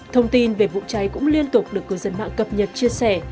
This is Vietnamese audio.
thông tin về vụ cháy cũng liên tục được cư dân mạng cập nhật chia sẻ